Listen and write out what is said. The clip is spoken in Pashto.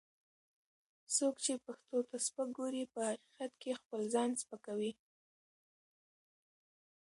څوک چې پښتو ته سپک ګوري، په حقیقت کې خپل ځان سپکوي